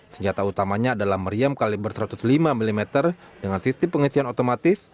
senjata utamanya adalah meriam kaliber satu ratus lima mm dengan sistem pengisian otomatis